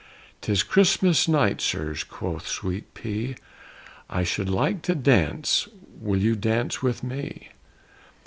"'Tis Christmas night, sirs," quoth Sweet P, "I should like to dance! Will you dance with me?"